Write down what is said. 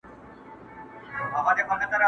بل موږك په كونج كي ناست وو شخ برېتونه،